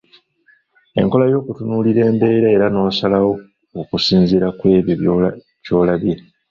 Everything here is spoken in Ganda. Enkola y'okutunuulira embeera era n’osalawo okusinziira ku ekyo ky’olabye.